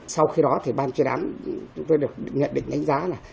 sau khi đó thì ban chế đám chúng ta được nhận định đánh giá là